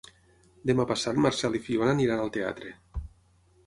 Demà passat en Marcel i na Fiona aniran al teatre.